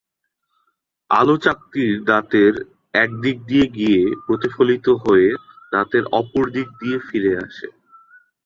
আলো চাকতির দাঁতের এক দিক দিয়ে গিয়ে প্রতিফলিত হয়ে দাঁতের অপর দিক দিয়ে ফিরে আসে।